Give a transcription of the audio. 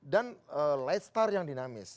dan light star yang dinamis